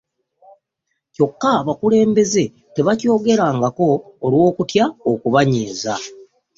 Kyokka abakulembeze tebakyogerako olw'okutya okubanyiiza.